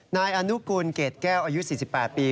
นายอนุกูลเกรดแก้วอายุ๔๘ปี